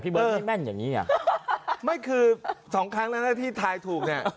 พี่บอกไม่ให้แม่นอย่างงี้อ่ะไม่คือสองครั้งแล้วที่ทายถูกเนี้ย